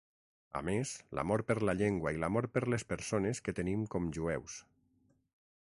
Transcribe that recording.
A més, l'amor per la llengua i l'amor per les persones que tenim com jueus.